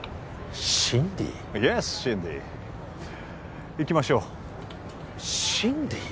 イエスシンディー行きましょうシンディー？